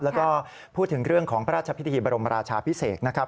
แล้วก็พูดถึงเรื่องของพระราชพิธีบรมราชาพิเศษนะครับ